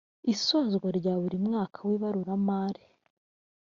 isozwa rya buri mwaka w ibaruramari